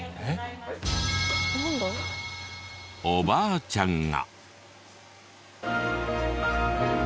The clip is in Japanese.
おばあちゃんが。